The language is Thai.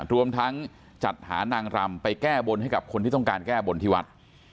รวมทั้งจัดหานางรำไปแก้บนให้กับคนที่ต้องการแก้บนที่วัด